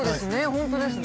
本当ですね。